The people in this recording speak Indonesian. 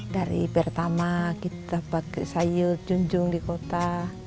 dari pertama kita pakai sayur junjung di kota